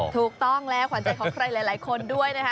ถูกต้องแล้วความใจของมีคนด้วยนะคะ